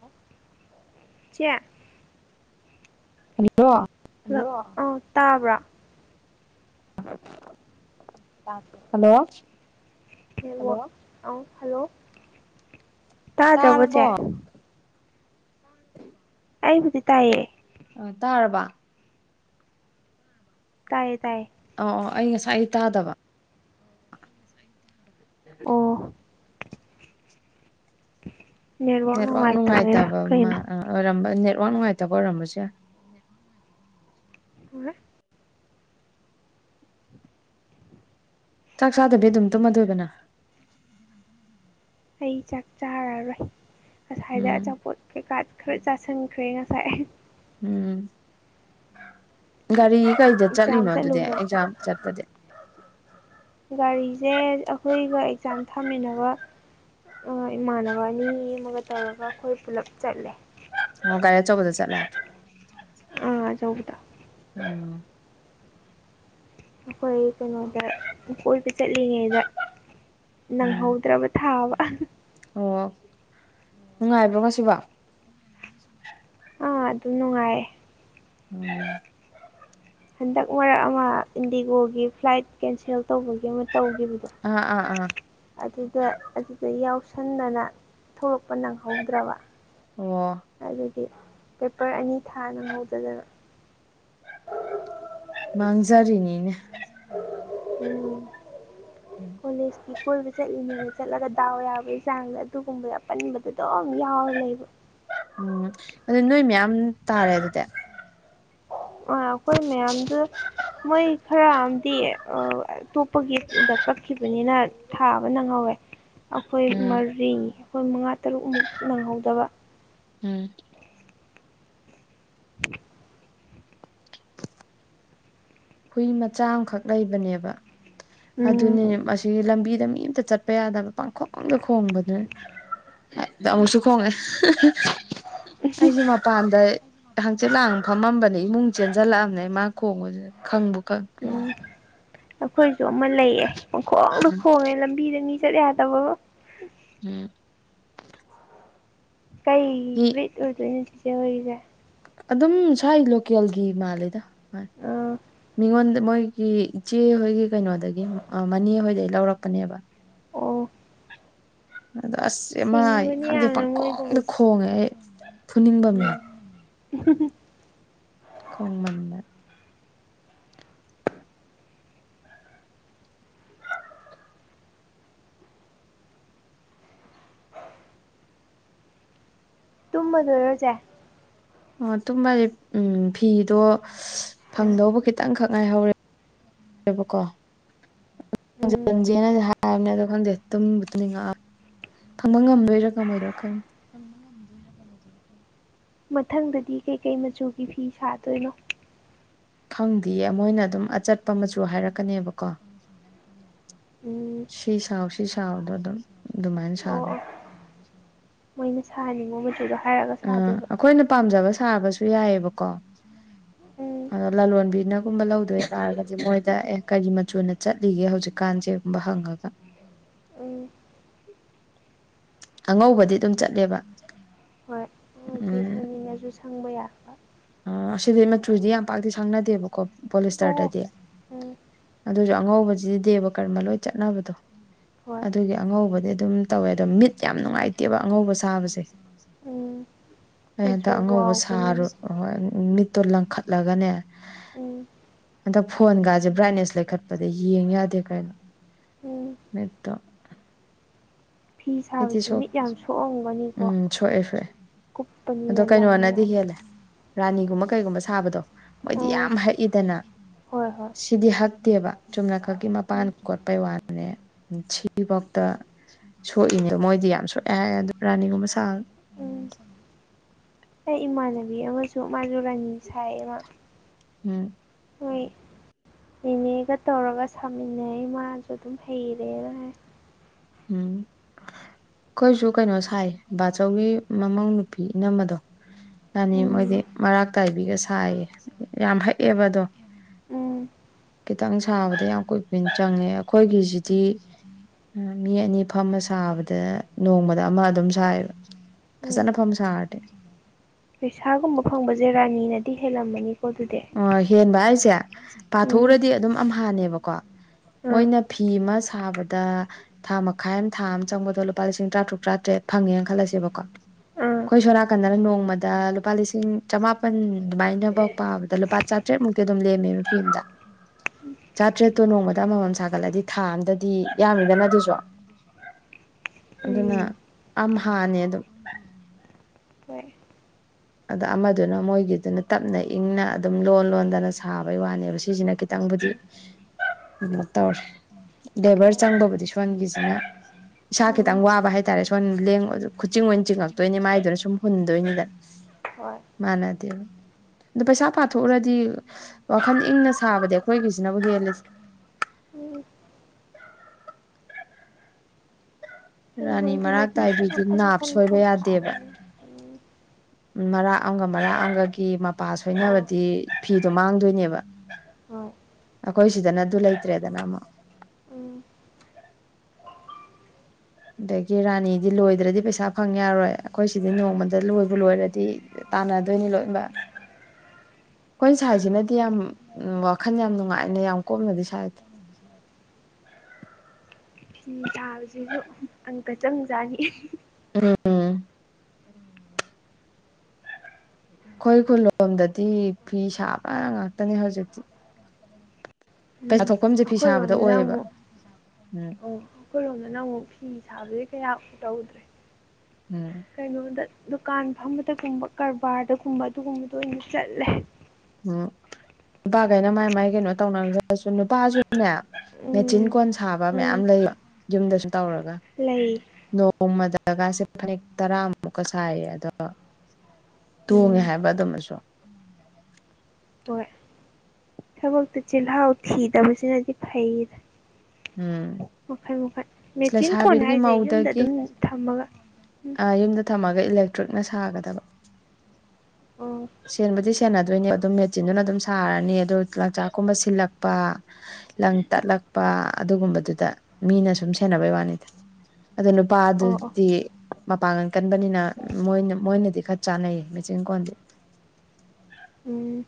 Hello ꯆꯦ ꯑꯅꯤꯌꯣ hello ꯑꯣ ꯇꯥꯕ꯭ꯔꯥ [inaudible] ꯍꯜꯂꯣ [unintelligible] ꯇꯥꯗꯕ꯭ꯔꯣ ꯆꯦ ꯇꯥꯔꯕꯣ ꯑꯩꯕꯨꯗꯤ ꯇꯥꯏꯌꯦ ꯑ ꯇꯥꯔꯕ ꯇꯥꯏꯌꯦ ꯇꯥꯏꯌꯦ ꯑꯣ ꯑꯣ ꯑꯩ ꯉꯁꯥꯏ ꯑꯩ ꯇꯥꯗꯕ ꯑꯣ [inaudible] ꯅꯦꯠꯋꯥꯛ ꯅꯨꯡꯉꯥꯏꯇꯕꯩꯔꯥ ꯅꯨꯡꯉꯥꯏꯇꯕ ꯑꯃ ꯀꯩꯅꯣ ꯑ ꯑꯣꯏꯔꯝꯕ ꯅꯦꯠꯋꯥꯛ ꯅꯨꯡꯉꯥꯏꯇꯕ ꯑꯣꯏꯔꯝꯕꯁꯨ ꯌꯥꯏ ꯍꯨꯔꯦ ꯆꯥꯛ ꯆꯥꯗꯕꯤ ꯑꯗꯨꯝ ꯇꯨꯝꯃꯗꯣꯏꯕ ꯅꯪ ꯑꯩ ꯆꯥꯛ ꯆꯥꯔꯔꯣꯏ ꯉꯁꯥꯏꯗ ꯎꯝ ꯑꯆꯥꯄꯣꯠ ꯀꯩꯀꯥ ꯈꯔ ꯆꯥꯁꯟꯈ꯭ꯔꯦ ꯉꯁꯥꯏ ꯎꯝ ꯒꯥꯔꯤ ꯀꯩꯗ ꯑꯦꯛꯖꯥꯝ ꯆꯠꯂꯤꯅꯣ ꯑꯗꯨꯗꯤ ꯆꯠꯂꯨꯕꯒꯤ ꯑꯦꯛꯖꯥꯝ ꯆꯠꯄꯗꯤ ꯒꯥꯔꯤꯖꯦ ꯑꯩꯈꯣꯏꯒ ꯑꯦꯛꯖꯥꯝ ꯊꯥꯃꯤꯟꯅꯕ ꯑ ꯏꯃꯥꯟꯅꯕ ꯑꯅꯤ ꯑꯃꯒ ꯇꯧꯔꯒ ꯑꯩꯈꯣꯏ ꯄꯨꯂꯞ ꯆꯠꯂꯦ ꯑꯣ ꯒꯥꯔꯤ ꯑꯆꯧꯕꯗ ꯆꯠꯂꯦ ꯑꯥ ꯑꯆꯧꯕꯗ ꯎꯝ ꯑꯩꯈꯣꯏ ꯀꯩꯅꯣꯗ ꯀꯣꯏꯕ ꯆꯠꯂꯤꯉꯩꯗ ꯎꯝ ꯅꯪꯍꯧꯗ꯭ꯔꯕ ꯊꯥꯕ ꯑꯣ ꯅꯨꯡꯉꯥꯏꯕ꯭ꯔꯣ ꯉꯁꯤꯕꯣ ꯑꯥ ꯑꯗꯨꯝ ꯅꯨꯡꯉꯥꯏꯌꯦ [unintelligible] ꯍꯟꯗꯛ ꯃꯔꯛ ꯑꯃ ꯏꯟꯗꯤꯒꯣꯒꯤ ꯐ꯭ꯂꯥꯏꯠ ꯀꯦꯟꯁꯦꯜ ꯇꯧꯕꯒꯤ ꯑꯃ ꯇꯧꯈꯤꯕꯗꯣ ꯑꯥ ꯑꯥ ꯑꯥ ꯑꯗꯨꯗ ꯑꯗꯨꯗ ꯌꯥꯎꯁꯟꯗꯅ ꯊꯣꯛꯄ ꯅꯪꯍꯧꯗ꯭ꯔꯕ ꯑꯣ ꯑꯗꯨꯒꯤ ꯄꯦꯄꯔ ꯑꯅꯤ ꯊꯥ ꯅꯪꯍꯧꯗꯗꯅ ꯃꯥꯡꯖꯔꯤꯅꯤꯅꯦ ꯎꯝ [unintelligible] ꯀꯣꯂꯦꯖꯀꯤ ꯀꯣꯏꯕ ꯆꯠꯂꯤꯅꯦꯅ ꯆꯠꯂꯒ ꯇꯥꯎ ꯌꯥꯕꯒꯤ ꯆꯥꯡꯖꯦ ꯑꯗꯨꯒꯨꯝꯕꯗ ꯑꯄꯟꯕꯗ ꯑꯗꯨꯝ ꯌꯥꯎꯔ ꯂꯩꯕ꯫ ꯎꯝ ꯑꯗꯨ ꯅꯣꯏ ꯃꯌꯥꯝ ꯇꯥꯔꯦ ꯑꯗꯨꯗꯤ ꯑ ꯑꯈꯣꯏ ꯃꯌꯥꯝꯗ ꯃꯣꯏ ꯈꯔ ꯑꯝꯗꯤ ꯑꯥ ꯑꯇꯣ ꯄꯒꯤ ꯗ ꯀꯛꯈꯤꯕꯅꯤꯅ ꯊꯥꯕ ꯅꯪꯍꯧꯋꯦ ꯑꯈꯣꯏ ꯎꯝ ꯃꯔꯤ ꯑꯈꯣꯏ ꯃꯉꯥ ꯇꯔꯨꯛꯃꯨꯛ ꯅꯪꯍꯧꯗꯕ꯫ ꯎꯝ [unintelligible] ꯍꯨꯏ ꯃꯆꯥ ꯑꯝꯈꯛ ꯂꯩꯕꯅꯦꯕ ꯎꯝ ꯑꯗꯨꯅꯦ ꯃꯁ ꯂꯝꯕꯤꯗ ꯃꯤ ꯑꯝꯇ ꯆꯠꯄ ꯌꯥꯗꯕ ꯄꯪꯈꯣꯡꯗ ꯈꯣꯡꯕꯗꯨ ꯗ ꯑꯃꯨꯛꯁꯨ ꯈꯣꯡꯉꯦ ꯑꯩꯖꯤ ꯃꯄꯥꯟꯗ ꯍꯥꯡꯆꯤꯠ ꯂꯥꯡ ꯐꯝꯃꯝꯕꯅꯦ ꯏꯃꯨꯡ ꯆꯦꯟꯖꯜꯂꯛꯑꯕꯅꯦ ꯃꯥ ꯈꯣꯡꯕꯁꯦ꯫ ꯈꯪꯕꯨ ꯈꯪꯏ꯫ ꯑꯈꯣꯏꯁꯨ ꯑꯃ ꯂꯩꯌꯦ ꯄꯪꯈꯣꯡꯗ ꯈꯣꯡꯉꯦ ꯂꯝꯕꯤꯗ ꯃꯤ ꯆꯠ ꯌꯥꯗꯕ ꯑꯃ꯫ ꯎꯝ ꯀꯩ ꯍꯤ ꯕ꯭ꯔꯤꯠ ꯑꯣꯏꯗꯣꯏꯅꯣ ꯆꯤꯆꯦ ꯍꯣꯏꯒꯤꯖꯦ? ꯑꯗꯨꯝ ꯁꯥꯏ ꯂꯣꯀꯦꯜꯒꯤ ꯃꯥꯜꯂꯦꯗ ꯃꯥ ꯑꯥ ꯃꯤꯉꯣꯟꯗ ꯃꯣꯏꯒꯤ ꯏꯆꯦꯍꯣꯏꯒꯤ ꯀꯩꯅꯣꯗꯒꯤ ꯑ ꯃꯅꯦꯍꯣꯏꯗꯒꯤ ꯂꯧꯔꯛꯄꯅꯦꯕ꯫ ꯑꯣ ꯑꯗꯣ ꯑꯁ ꯃꯥ ꯁꯤꯡꯕꯅꯤ ꯈꯪꯗꯦ ꯌꯥꯝꯅ ꯄꯪꯈꯣꯡꯗ ꯃꯣꯏꯒꯨꯝꯕꯁꯦ ꯈꯣꯡꯉꯦ ꯑꯩ ꯐꯨꯅꯤꯡꯕ ꯌꯥꯎꯑꯦ꯫ [unintelligible] ꯈꯣꯡꯃꯟꯗ ꯇꯨꯝ ꯃꯗꯣꯏꯔꯣ ꯆꯦ? ꯑꯣ ꯇꯨꯝꯕꯒꯤ ꯎꯝ ꯐꯤꯗꯣ ꯐꯪꯗꯧꯕ ꯈꯤꯠ ꯇꯪ ꯈꯛ ꯉꯥꯏꯍꯧꯔꯦ ꯕꯀꯣ ꯎꯝ [unintelligible] ꯖꯦꯅ ꯍꯥꯏꯕꯅꯦ ꯑꯗꯨ ꯈꯪꯗꯦ ꯇꯨꯝꯕꯨ ꯇꯨꯝꯅꯤꯡꯉꯛ ꯑ ꯐꯪꯕ ꯉꯝꯗꯣꯏꯔꯥ ꯉꯝꯃꯣꯢꯗꯣꯢꯔ ꯈꯪ ꯃꯊꯪꯗꯗꯤ ꯀꯩꯀꯩ ꯃꯆꯨꯒꯤ ꯐꯤ ꯁꯥꯗꯣꯏꯅꯣ? ꯈꯪꯗꯤꯌꯦ ꯃꯣꯏꯅ ꯑꯗꯨꯝ ꯑꯆꯠꯄ ꯃꯆꯨ ꯍꯥꯏꯔꯛꯀꯅꯤꯕꯀꯣ꯫ ꯎꯝ ꯁꯤ ꯁꯥꯎ ꯁꯤ ꯁꯥꯎ ꯑꯗꯨ ꯑꯗꯨꯝ ꯑꯗꯨꯃꯥꯏꯅ ꯑꯣ ꯁꯥꯕ ꯑꯣ ꯁꯥꯍꯟꯅꯤꯡꯕ ꯃꯆꯨꯗꯣ ꯍꯥꯏꯔꯒ ꯑ ꯁꯥꯗꯣꯏꯕ ꯑꯈꯣꯏꯅ ꯄꯥꯝꯖꯕ ꯁꯥꯕꯁꯨ ꯌꯥꯏꯌꯦꯕꯀꯣ ꯎꯝ ꯑꯗ ꯂꯂꯣꯟꯕꯤꯅꯒꯨꯝꯕ ꯂꯧꯗꯣꯏꯇꯥꯥꯔꯒꯗꯤ ꯃꯣꯏꯗ ꯑꯦ ꯀꯔꯤ ꯃꯆꯨꯅ ꯆꯠꯂꯤꯒꯦ ꯍꯧꯖꯤꯛ ꯀꯥꯟꯁꯦ ꯕꯍꯪꯉꯒ ꯎꯝ ꯑꯉꯧꯕꯗꯤ ꯑꯗꯨꯝ ꯆꯠꯂꯦꯕ꯫ ꯍꯣꯏ ꯃꯆꯨ ꯁꯪꯅꯤꯡ ꯉꯁꯨꯨ ꯁꯪꯕ ꯌꯥꯕ ꯑ ꯑꯁꯤꯗꯤ ꯃꯆꯨꯗꯤ ꯌꯥꯝ ꯄꯥꯛꯇꯤ ꯁꯪꯅꯗꯦꯕꯀꯣ ꯑꯣ ꯄꯣꯂꯤꯁꯇꯔꯗꯗꯤ ꯎꯝ ꯑꯗꯨꯁꯨ ꯑꯉꯧꯕꯁꯤꯗꯤ ꯗꯦꯕ ꯀꯔꯃ ꯂꯣꯏ ꯆꯠꯅꯕꯗꯣ ꯍꯣꯏ ꯑꯗꯨꯒꯤ ꯑꯉꯧꯕꯗꯤ ꯑꯗꯨꯝ ꯇꯧꯋꯦ ꯑꯗꯣ ꯃꯤꯠ ꯌꯥꯝ ꯅꯨꯡꯉꯥꯏꯇꯦꯕ ꯑꯉꯧꯕ ꯁꯥꯕꯁꯦ꯫ ꯎꯝ ꯑꯩ ꯍꯟꯇꯛ ꯃꯆꯨ ꯑꯉꯧꯕ ꯋꯥꯎꯕꯅꯤꯅ ꯁꯥꯔꯨꯏꯕ ꯃꯤꯠꯇꯣ ꯂꯪꯈꯠꯂꯒꯅꯦ ꯎꯝ ꯍꯟꯗꯛ ꯐꯣꯟꯒꯥꯁꯦ ꯕ꯭ꯔꯥꯏꯠꯅꯦꯁ ꯂꯩꯈꯠꯄꯗ ꯌꯦꯡ ꯌꯥꯗꯦ ꯀꯩꯅꯣ ꯎꯝ ꯃꯤꯠꯇꯣ ꯐꯤ ꯃꯤꯠꯇꯤ ꯁꯥꯕꯁꯦ ꯁꯣꯛ ꯃꯤꯠ ꯌꯥꯝ ꯁꯣꯛꯑꯝꯒꯅꯤꯀꯣ ꯎꯝ ꯁꯣꯛꯑꯦ ꯁꯣꯛꯑꯦ ꯑꯗꯣ ꯀꯨꯞꯄꯅꯤꯅ ꯂꯪ ꯀꯩꯅꯣꯅꯗꯤ ꯃꯌꯥꯝ ꯍꯦꯜꯂꯦ ꯔꯥꯅꯤꯒꯨꯝꯕ ꯀꯩꯒꯨꯝꯕ ꯁꯥꯕꯗꯣ ꯃꯣꯏꯗꯤ ꯑꯥ ꯌꯥꯝ ꯍꯛꯏꯗꯅ ꯍꯣꯏ ꯍꯣꯏ ꯁꯤꯗꯤ ꯍꯛꯇꯦꯕ ꯆꯨꯝꯅꯈꯛꯀꯤ ꯃꯄꯥꯟ ꯎꯝ ꯀꯣꯠꯄꯩ ꯋꯥꯅꯦ ꯁꯤꯕꯧꯇ ꯊꯣꯛꯏꯅꯦ ꯃꯣꯏꯗꯤ ꯌꯥꯝ ꯁꯣꯛꯑꯦ ꯍꯥꯏ ꯑꯗꯣ ꯔꯥꯅꯤꯒꯨꯝꯕ ꯁꯥꯕꯗ ꯎꯝ ꯑꯩ ꯏꯃꯥꯟꯅꯕꯤ ꯑꯃꯁꯨ ꯃꯥꯖꯨ ꯔꯥꯅꯤ ꯁꯥꯏꯌꯦ ꯃ ꯎꯝ ꯍꯣꯏ ꯅꯤꯅꯦꯒ ꯇꯧꯔꯒ ꯁꯥꯃꯤꯟꯅꯩ ꯃꯥꯁꯨ ꯑꯗꯨꯝ ꯍꯩꯔꯦꯅ ꯍꯥꯢ ꯎꯝ ꯑꯩꯈꯣꯏꯁꯨ ꯀꯩꯅꯣ ꯁꯥꯏ ꯕꯥꯆꯧꯒꯤ ꯃꯃꯧ ꯅꯨꯄꯤ ꯏꯅꯝꯃꯗꯣ ꯔꯥꯅꯤ ꯃꯣꯏꯗꯤ ꯎꯝ ꯃꯔꯥꯛꯇꯥꯏꯕꯤꯒ ꯁꯥꯏꯌꯦ ꯌꯥꯝ ꯍꯛꯑꯦꯕ ꯑꯗꯣ ꯎꯝ ꯈꯤꯇꯪ ꯁꯥꯕꯗ ꯌꯥꯝ ꯀꯨꯏ ꯀꯨꯏꯅ ꯆꯪꯉꯦ ꯑꯩꯈꯣꯏꯒꯤꯁꯤꯗꯤ ꯃꯤ ꯑꯅꯤ ꯐꯝꯃ ꯁꯥꯕꯗ ꯅꯣꯡꯃꯗ ꯑꯃ ꯑꯗꯨꯝ ꯁꯥꯏꯌꯦꯕ ꯎꯝ ꯐꯖꯅ ꯐꯝ ꯁꯥꯔꯗꯤ ꯄꯩꯁꯥꯒꯨꯝꯕ ꯐꯪꯕꯁꯦ ꯔꯥꯅꯤꯅꯗꯤ ꯍꯦꯜꯂꯝꯃꯅꯤꯀꯣ ꯑꯗꯨꯗꯤ ꯑꯣꯢ ꯍꯦꯟꯕ ꯍꯥꯏꯁꯦ ꯎꯝ ꯄꯥꯊꯣꯛꯎꯔꯗꯤ ꯑꯗꯨꯝ ꯑꯝ ꯍꯥꯅꯦꯕꯀꯣ ꯑꯥ ꯃꯣꯏꯅ ꯐꯤ ꯑꯃ ꯁꯥꯕꯗ ꯊꯥ ꯃꯈꯥꯏ ꯑꯃ ꯊꯥ ꯑꯃ ꯆꯪꯕꯗꯣ ꯂꯨꯄꯥ ꯂꯤꯁꯤꯡ ꯇꯔꯥꯇꯔꯨꯛ ꯇꯔꯥꯇꯔꯦꯠ ꯐꯪꯉꯦꯅ ꯈꯜꯂꯁꯦꯕꯀꯣ ꯑꯥ ꯑꯩꯈꯣꯏ ꯁꯣꯟꯅꯥꯀꯟꯗꯅ ꯅꯣꯡꯃꯗ ꯂꯨꯄꯥ ꯂꯤꯁꯤꯡ ꯆꯃꯥꯄꯟ ꯑꯗꯨꯃꯥꯏꯅꯐꯧ ꯄꯥꯕ ꯑꯗ ꯂꯨꯄꯥ ꯆꯥꯇ꯭ꯔꯦꯠꯃꯨꯛꯀꯤ ꯑꯗꯨꯝ ꯂꯦꯝꯃꯦꯕ ꯐꯤ ꯑꯝꯗ ꯆꯥꯇ꯭ꯔꯦꯠꯇꯨ ꯅꯣꯡꯃꯗ ꯑꯃꯃꯝ ꯁꯥꯒꯠꯂꯗꯤ ꯊꯥ ꯑꯝꯗꯗꯤ ꯌꯥꯝꯃꯤꯗꯅ ꯑꯗꯨꯁꯨ ꯑꯗꯨꯅ ꯎꯝ ꯑꯝ ꯍꯥꯥꯅꯦ ꯑꯗꯨꯝ ꯍꯣꯏ ꯑꯗ ꯑꯃꯗꯨꯅ ꯃꯣꯏꯒꯤꯗꯨꯅ ꯇꯞꯅ ꯏꯪꯅ ꯑꯗꯨꯝ ꯂꯣꯟ ꯂꯣꯟꯗꯅ ꯁꯥꯕꯩ ꯋꯥꯅꯦꯕ ꯁꯤꯁꯤꯅ ꯈꯤꯇꯪꯕꯨꯗꯤ ꯎꯝ ꯀꯩꯅꯣ ꯇꯧꯔꯦ ꯂꯦꯕꯔ ꯍꯣꯏ ꯆꯪꯕꯕꯨꯗꯤ ꯁꯣꯟꯒꯤꯖꯤꯅ ꯏꯁꯥ ꯎꯝ ꯈꯤꯇꯪ ꯋꯥꯕ ꯍꯥꯏꯇꯥꯔꯦ ꯁꯣꯟ ꯂꯦꯡ ꯈꯨꯆꯤꯡ ꯑꯣꯏꯅ ꯆꯤꯡꯉꯛꯇꯣꯏꯅꯤ ꯃꯥꯏꯗꯨꯅ ꯁꯨꯝ ꯍꯨꯟꯗꯨꯏꯅꯤꯗꯅ ꯍꯣꯏ ꯃꯥꯟꯅꯗꯦꯕ ꯑꯗꯣ ꯄꯩꯁꯥ ꯄꯥꯊꯣꯛꯎꯔꯗꯤ ꯋꯥꯈꯜ ꯏꯪꯅ ꯁꯥꯕꯗꯤ ꯑꯩꯈꯣꯏꯒꯤꯖꯤꯅꯕꯨ ꯍꯦꯜꯂꯤꯗ ꯎꯝ ꯍꯩꯕꯨ ꯔꯥꯅꯤ ꯃꯔꯥꯛ ꯍꯩꯖꯤꯜꯂꯗꯤ ꯇꯥꯏꯕꯤꯗꯤ ꯃꯈꯜ ꯅꯥꯞ ꯃꯈꯜ ꯁꯣꯏꯕ ꯃꯈꯜ ꯁꯥꯔ ꯂꯣꯏꯔꯦ ꯎꯝ ꯎꯝ ꯃꯔꯥꯛ ꯑꯝꯒ ꯃꯔꯥꯛ ꯑꯝꯒꯒꯤ ꯃꯄꯥ ꯑꯣ ꯁꯣꯏꯅꯕꯗꯤ ꯐꯤꯗꯣ ꯃꯥꯡꯗꯨꯏꯅꯦꯕ ꯍꯣꯏ ꯑꯩꯈꯣꯏ ꯁꯤꯗꯅ ꯑꯗꯨ ꯂꯩꯇ꯭ꯔꯦꯗꯅ ꯑꯃꯨꯛ ꯎꯝ ꯑꯗꯒꯤ ꯔꯥꯅꯤꯗꯤ ꯂꯣꯏꯗ꯭ꯔꯗꯤ ꯄꯩꯁꯥ ꯐꯪ ꯌꯥꯔꯣꯏ ꯑꯩꯈꯣꯏ ꯁꯤꯗꯤ ꯅꯣꯡꯃꯗ ꯂꯣꯏꯕꯨ ꯂꯣꯏꯔꯗꯤ ꯇꯥꯟꯅꯗꯣꯏꯅꯤ ꯂꯣꯏꯕꯛ [unintelligible] ꯑꯩꯈꯣꯏ ꯁꯥꯏꯖꯤꯅꯗꯤ ꯌꯥꯝ ꯋꯥꯈꯜ ꯌꯥꯝ ꯅꯨꯡꯉꯥꯏꯅ ꯌꯥꯝ ꯀꯣꯝꯅꯗꯤ ꯁꯥꯏꯗ ꯐꯤ ꯁꯥꯕꯖꯤꯁꯨ ꯑꯪꯀ ꯆꯪꯖꯥꯠꯅꯤ ꯎꯝ ꯑꯩꯈꯣꯏ ꯈꯨꯜꯂꯣꯝꯗꯗꯤ ꯐꯤ ꯁꯥꯕ ꯉꯥꯛꯇꯅꯦ ꯍꯧꯖꯤꯛꯇꯤ ꯎꯝ ꯄꯩꯁꯥ ꯊꯣꯛꯐꯝꯁꯦ ꯐꯤ ꯁꯥꯕꯗ ꯑꯩꯈꯣꯏꯔꯣꯝꯗꯅ ꯑꯣꯏꯌꯦꯕ ꯎꯝ ꯑꯈꯣꯏꯔꯣꯝꯗꯅ ꯑꯃꯨꯛ ꯐꯤ ꯁꯥꯕꯖꯦ ꯀꯌꯥ ꯇꯧꯗ꯭ꯔꯦ ꯎꯝ ꯀꯩꯅꯣꯗ ꯗꯨꯀꯥꯟ ꯐꯝꯕꯗꯒꯨꯝꯕ ꯀꯔꯕꯥꯔꯗꯒꯨꯝꯕ ꯑꯗꯨꯒꯨꯝꯕꯗ ꯑꯣꯏꯅ ꯆꯠꯂꯦ꯫ ꯑ ꯅꯨꯄꯥꯒꯩꯅ ꯃꯥꯏ ꯃꯥꯏ ꯀꯩꯅꯣ ꯇꯧꯅꯒ꯭ꯔꯁꯨ ꯅꯨꯄꯥꯁꯨꯅꯦ ꯎꯝ ꯃꯦꯆꯤꯟ ꯀꯣꯟ ꯁꯥꯕ ꯎꯝ ꯃꯌꯥꯝ ꯂꯩ [inaudible] ꯌꯨꯝꯗ ꯁꯨꯝ ꯇꯧꯔꯒ꯫ ꯂꯩ꯫ ꯅꯣꯡꯃꯗꯒꯥꯁꯦ ꯐꯅꯦꯛ ꯇꯔꯥꯃꯨꯛꯀ ꯁꯥꯏꯌꯦ ꯑꯗꯣ꯫ ꯇꯣꯡꯉꯦ ꯎꯝ ꯍꯥꯏꯕ ꯑꯗꯨꯃꯁꯨ꯫ ꯍꯣꯏ ꯊꯕꯛꯇ ꯆꯤꯜꯍꯥꯎ ꯊꯤꯗꯕꯁꯤꯅꯗꯤ ꯐꯩꯗ꯫ ꯎꯝ ꯃꯈꯟ ꯃꯈꯟ ꯑꯁ ꯃꯦꯆꯤꯟ ꯀꯣꯟ ꯂꯩꯁꯥꯕꯤꯒꯤ ꯍꯥꯏꯁꯦ ꯌꯨꯝꯗ ꯑꯗꯨꯝ ꯊꯝꯃꯒ ꯎꯝ ꯑꯥ ꯌꯨꯝꯗ ꯊꯝꯃꯒ ꯏꯂꯦꯛꯇ꯭ꯔꯤꯛꯅ ꯁꯥꯒꯗꯕ꯫ ꯑꯣ ꯁꯦꯟꯕꯨꯗꯤ ꯁꯦꯟꯅꯗꯣꯏꯅꯦ ꯑꯗꯨꯝ ꯃꯦꯆꯤꯟꯗꯨꯅ ꯑꯗꯨꯝ ꯁꯥꯔꯅꯤ ꯑꯗꯨ ꯂꯪꯆꯥꯛꯀꯨꯝꯕ ꯁꯤꯜꯂꯛꯄ ꯂꯪ ꯇꯠꯂꯛꯄ ꯑꯗꯨꯒꯨꯝꯕꯗꯨꯗ ꯃꯤꯅ ꯁꯨꯝ ꯁꯦꯟꯅꯕꯩ ꯋꯥꯅꯤꯗ꯫ ꯑꯗꯣ ꯅꯨꯄꯥ ꯑꯣ ꯑꯣ ꯗꯨꯗꯤ ꯃꯄꯥꯡꯒꯜ ꯀꯟꯕꯅꯤꯅ ꯃꯣꯏꯅ ꯃꯣꯏꯅꯗꯤ ꯈꯔ ꯆꯥꯟꯅꯩ ꯃꯦꯆꯤꯟ ꯀꯣꯟꯗꯤ꯫ ꯎꯝ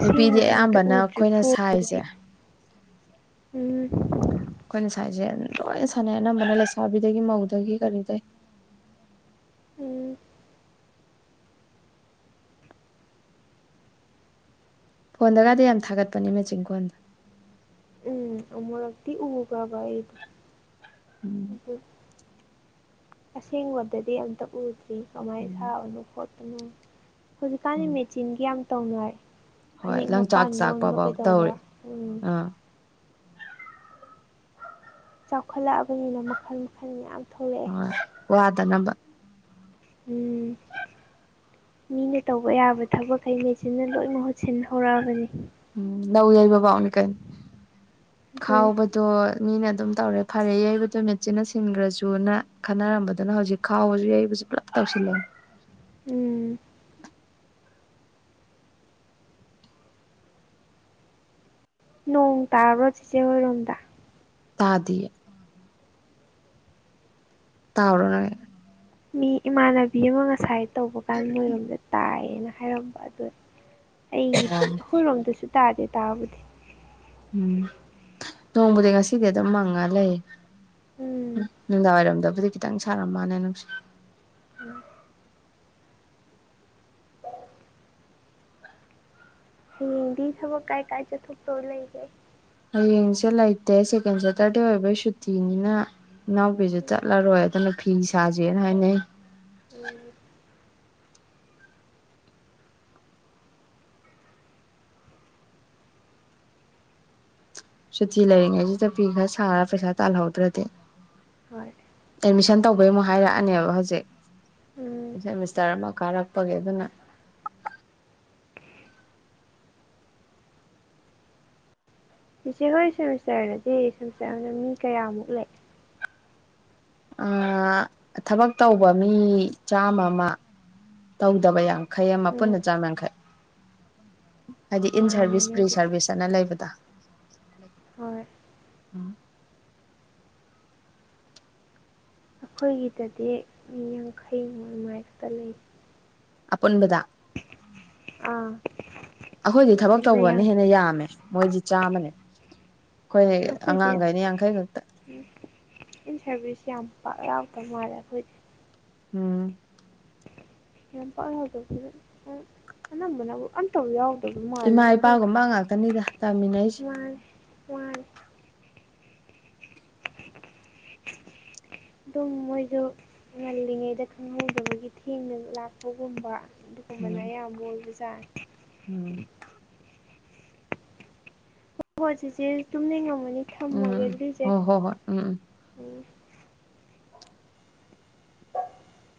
ꯅꯨꯄꯤꯗꯤ ꯑꯝꯇ ꯑꯌꯥꯝꯕꯅ ꯎꯗ꯭ꯔꯤ ꯑꯩꯈꯣꯏꯅ ꯁꯥꯏꯖꯦ ꯐꯣꯟꯗꯗꯤ ꯎꯝ ꯑ ꯑꯩꯈꯣꯏꯅ ꯁꯥꯏꯖꯦ ꯂꯣꯏꯅ ꯁꯥꯟꯅꯩ ꯑꯅꯝꯕꯅ ꯂꯩꯁꯥꯕꯤꯗꯒꯤ ꯃꯧꯗꯒꯤ ꯀꯔꯤꯗꯩ꯫ ꯎꯝ ꯐꯣꯟꯗꯒꯗꯤ ꯌꯥꯝ ꯊꯥꯒꯠꯄꯅꯦ ꯃꯦꯆꯤꯟ ꯀꯣꯟꯗꯣ꯫ ꯎꯝ ꯑꯃꯨꯔꯛꯇꯤ ꯎꯒ꯭ꯔꯕ ꯑꯩꯗꯣ ꯎꯝ [unintelligible] ꯑꯁꯦꯡꯕꯗꯗꯤ ꯑꯝꯇ ꯎꯗ꯭ꯔꯤ ꯀꯃꯥꯏꯅ ꯎꯝ ꯁꯥꯕꯅꯣ ꯈꯣꯠꯄꯅꯣ꯫ ꯍꯧꯖꯤꯛꯀꯥꯟꯗꯤ ꯎꯝ ꯃꯦꯆꯤꯟꯒꯤ ꯌꯥꯝ ꯇꯧꯅꯔꯦ꯫ ꯍꯣꯏ ꯐꯅꯦꯛ ꯂꯪꯆꯥꯛ ꯃꯄꯥꯟ ꯂꯣꯟꯕ ꯆꯥꯛꯄꯐꯥꯎ ꯀꯩꯗꯧꯕ ꯇꯧꯔꯤ ꯎꯝ꯫ ꯑꯥ ꯆꯥꯎꯈꯠꯂꯛꯑꯕꯅꯤꯅ ꯃꯈꯜ ꯃꯈꯜ ꯃꯌꯥꯝ ꯊꯣꯛꯂꯛꯑꯦ ꯍꯣꯏ ꯋꯥꯗꯅꯕ꯫ ꯎꯝ꯫ ꯃꯤꯅ ꯇꯧꯕ ꯌꯥꯕ ꯊꯕꯛꯈꯩ ꯃꯦꯆꯤꯟꯅ ꯂꯣꯏ ꯃꯍꯨꯠ ꯁꯤꯟ ꯍꯧꯔꯛꯑꯕꯅꯤ꯫ ꯎꯝ ꯂꯧ ꯌꯩꯕꯕꯥꯎꯅꯤ ꯀꯩꯅꯣ ꯑꯗꯨꯅꯤ ꯈꯥꯎꯕ ꯗꯣ ꯃꯤꯅ ꯑꯗꯨꯝ ꯇꯧꯔꯦ ꯐꯔꯦ ꯌꯩꯕꯗꯨ ꯃꯦꯠꯆꯤꯟꯅ ꯁꯤꯟꯒ꯭ꯔꯁꯨꯅ ꯈꯟꯅꯔꯝꯕꯗꯨꯅ ꯍꯧꯖꯤꯛ ꯈꯥꯎꯕꯁꯨ ꯌꯩꯕꯁꯨ ꯄꯨꯂꯞ ꯇꯧꯁꯤꯜꯂꯦ꯫ ꯎꯝ꯫ ꯅꯣꯡ ꯇꯥꯕ꯭ꯔꯣ ꯆꯦꯆꯦ ꯍꯣꯏꯔꯣꯝꯗ꯫ ꯇꯥꯗꯤꯌꯦ꯫ ꯇꯥꯕ꯭ꯔꯣ ꯅꯣꯏ꯫ ꯃꯤ ꯏꯃꯥꯟꯅꯕꯤ ꯑꯃ ꯉꯁꯥꯏ ꯇꯧꯕ ꯀꯥꯟ ꯃꯣꯏꯔꯣꯝꯗ ꯇꯥꯏꯌꯦꯅ ꯍꯥꯏꯔꯝꯕ ꯑꯗꯨ ꯑꯩꯒꯤꯗꯤ ꯑꯩꯈꯣꯏꯔꯣꯝꯗꯁꯨ ꯇꯥꯗꯦ ꯇꯥꯕꯨꯗꯤ꯫ ꯎꯝ ꯅꯣꯡꯕꯨꯗꯤ ꯉꯁꯤꯗꯤ ꯑꯗꯨꯝ ꯃꯪꯉ ꯂꯩꯌꯦ꯫ ꯎ ꯎꯝ ꯅꯨꯡꯗꯥꯡ ꯋꯥꯏꯔꯝꯗꯕꯨꯗꯤ ꯈꯤꯇꯪ ꯁꯥꯔꯝ ꯃꯥꯟꯅꯦ ꯅꯨꯡꯁ ꯎꯝ꯫ ꯍꯌꯦꯡꯗꯤ ꯊꯕꯛ ꯀꯥꯏ ꯀꯥꯏ ꯆꯠꯊꯣꯛꯇꯧ ꯂꯩꯒꯦ꯫ ꯍꯌꯦꯡꯁꯦ ꯂꯩꯇꯦ ꯁꯦꯀꯦꯟ ꯁꯇ꯭ꯔꯗꯦ ꯑꯣꯏꯕꯩ ꯁꯨꯇꯤꯅꯤ ꯅ ꯏꯅꯥꯎꯄꯤꯁꯨ ꯎꯝ ꯆꯠꯂꯔꯣꯏ ꯑꯗꯨꯅ ꯐꯤ ꯁꯥꯁꯦꯅ ꯍꯥꯏꯅꯩ꯫ ꯎꯝ꯫ ꯁꯨꯇꯤ ꯂꯩꯔꯤꯉꯩꯁꯤꯗ ꯐꯤ ꯈꯔ ꯁꯥꯔꯥ ꯄꯩꯁꯥ ꯇꯥꯜꯍꯧꯗ꯭ꯔꯗꯤ꯫ ꯍꯣꯏ ꯑꯦꯗꯃꯤꯁꯟ ꯇꯧꯕꯩ ꯑꯃꯨꯛ ꯍꯥꯏꯔꯛ ꯑꯅꯦꯕ ꯍꯧꯖꯤꯛ ꯎꯝ ꯁꯦꯃꯤꯁꯇꯔ ꯑꯃ ꯀꯥꯔꯛꯄꯒꯤ ꯑꯗꯨꯅ ꯆꯤꯆꯦ ꯍꯣꯏ ꯁꯦꯃꯤꯁꯇꯔꯗꯗꯤ ꯁꯦꯃꯤꯁꯇꯔ ꯑꯃꯗ ꯃꯤ ꯀꯌꯥꯃꯨꯛ ꯂꯩ꯫ ꯑꯥ ꯊꯕꯛ ꯇꯧꯕ ꯃꯤ ꯆꯥꯝꯃ ꯑꯃ ꯇꯧꯗꯕ ꯌꯥꯡ ꯈꯩ ꯑꯃ ꯎꯝ ꯄꯨꯟꯅ ꯆꯥꯝ ꯌꯥꯡꯈꯩ ꯍꯥꯏꯗꯤ ꯏꯟ ꯁꯔꯚꯤꯁ ꯌꯥꯝꯃꯦꯅꯦ ꯄ꯭ꯔꯤ ꯑꯗꯨꯗꯤ ꯁꯔꯚꯤꯁ ꯑꯅ ꯂꯩꯕꯗ ꯍꯣꯏ ꯑꯩꯈꯣꯏꯒꯤꯗꯗꯤ ꯃꯤ ꯌꯥꯡꯈꯩ ꯃꯨꯛ ꯑꯗꯨꯃꯥꯢ ꯈꯛꯇ ꯂꯩ ꯑꯄꯨꯟꯕꯗ ꯑꯥ ꯑꯩꯈꯣꯏꯗꯤ ꯊꯕꯛ ꯑꯗꯨꯗ ꯌꯥꯝ ꯇꯧꯕꯅ ꯍꯦꯟꯅ ꯌꯥꯝꯃꯦ ꯃꯣꯏꯗꯤ ꯆꯥꯝꯃꯅꯦ ꯑꯩꯈꯣꯏ ꯑꯉꯥꯡꯈꯩꯅ ꯌꯥꯡꯈꯩ ꯈꯛꯇ ꯎꯝ ꯏꯟ ꯁꯔꯚꯤꯁ ꯌꯥꯝ ꯄꯥꯛ ꯌꯥꯎꯗꯃꯥꯜꯂꯦ ꯑꯩꯈꯣꯏꯗꯤ ꯎꯝ ꯌꯥꯝ ꯄꯥꯛ ꯌꯥꯎꯗꯕꯗꯨꯗ ꯑꯅꯝꯕꯅꯕꯨ ꯑꯝꯇꯕꯨ ꯌꯥꯎꯗꯕ ꯃꯥꯜꯂꯦ ꯑꯩꯈꯣꯏ ꯃꯥ ꯉꯥꯛꯇꯅꯤꯗ ꯇꯥꯃꯤꯟꯅꯩꯁꯦ ꯋꯥꯔꯦ ꯋꯥꯔꯦ ꯑꯗꯨꯝ ꯃꯣꯏꯗꯣ ꯉꯜꯂꯤꯉꯩꯗ ꯈꯪꯍꯧꯗꯕꯒꯤ ꯊꯦꯡꯅ ꯂꯥꯛꯄꯒꯨꯝꯕ ꯑꯗꯨꯒꯨꯝꯕꯅ ꯎꯝ ꯑꯌꯥꯝꯕ ꯑꯣꯢꯕꯖꯥꯠꯅꯦ ꯎꯝ ꯍꯣꯏ ꯆꯤꯆꯦ ꯇꯨꯝꯅꯤꯡꯉꯝꯃꯅꯤ ꯊꯝꯃꯒꯦ ꯎꯝ ꯑꯗꯨꯗꯤ ꯆꯦ ꯍꯣ ꯍꯣ ꯍꯣꯏ ꯎꯝ ꯎꯝ ꯎꯝ [inaudible]